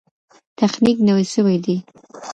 تخنیک نوی سوی دی.